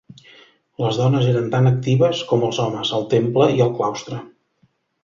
Les dones eren tan actives com els homes al temple i al claustre.